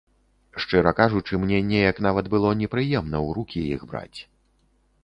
Шчыра кажучы, мне неяк нават было непрыемна ў рукі іх браць.